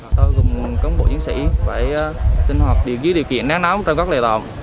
tôi cùng công bộ chiến sĩ phải tinh hợp điều kiện nắng nóng trong các lệ đoạn